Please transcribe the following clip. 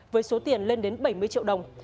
với số tiền lên đến bảy mươi triệu đồng